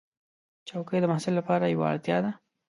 چوکۍ د محصل لپاره یوه اړتیا ده.